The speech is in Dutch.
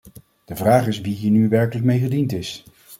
De vraag is wie hier nu werkelijk mee gediend is.